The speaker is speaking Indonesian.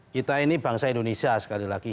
kita ini bangsa indonesia sekali lagi